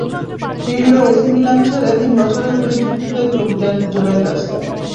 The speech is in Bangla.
পিরলো এসি মিলান ছেড়ে তিন বছরের ফ্রি চুক্তিতে যোগ দেন জুভেন্টাসে।